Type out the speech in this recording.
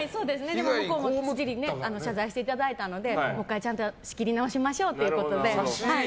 でも、向こうも謝罪していただいたのでもう１回ちゃんと仕切り直しましょうということで。